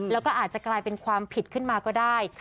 แล้วก็อาจจะกลายเป็นความผิดขึ้นมาก็ได้